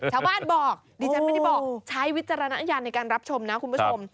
ชาวบ้านบอกดิฉันไม่ได้บอกใช้วิจารณญาณในการรับชมนะคุณผู้ชม